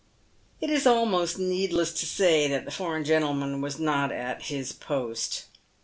It is almost needless to say that the foreign gentleman was not at his post.